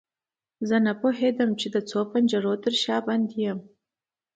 زه نه پوهیدم چې د څو پنجرو تر شا بندي یم.